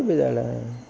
bây giờ là